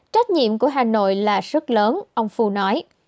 trách nhiệm của hà nội là rất lớn ông phu nói